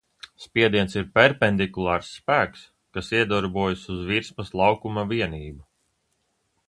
Spiediens ir perpendikulārs spēks, kas iedarbojas uz virsmas laukuma vienību.